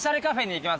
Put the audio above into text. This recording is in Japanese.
行きます。